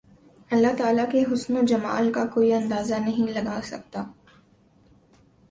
اللہ تعالی کے حسن و جمال کا کوئی اندازہ نہیں لگا سکت